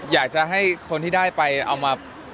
อยากจะให้คนที่ได้ไปเอามา